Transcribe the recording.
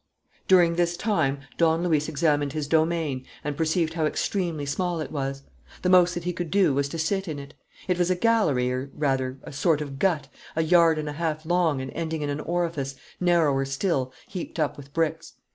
During this time, Don Luis examined his domain and perceived how extremely small it was. The most that he could do was to sit in it. It was a gallery, or, rather, a sort of gut, a yard and a half long and ending in an orifice, narrower still, heaped up with bricks.